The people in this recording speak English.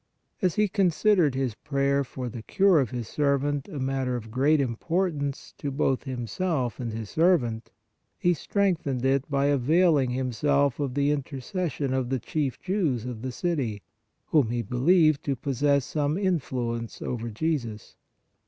As he considered his prayer for the cure of his servant a matter of great importance to both himself and his servant, he strengthened it by availing himself of the intercession of the chief Jews of the city, whom he believed to possess some influence over Jesus.